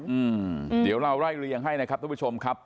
อืมเดี๋ยวเราไล่เรียงให้นะครับทุกผู้ชมครับ